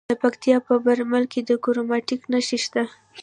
د پکتیکا په برمل کې د کرومایټ نښې شته.